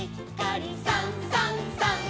「さんさんさん」